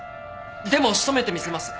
でも仕留めてみせます。